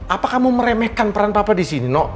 apa kamu meremehkan peran papa di sini nok